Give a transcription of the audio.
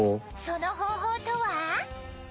その方法とは？